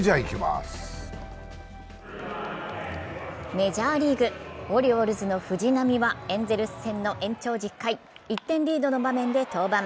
メジャーリーグ、オリオールズの藤浪はエンゼルス戦の延長１０回、１点リードの場面で登板。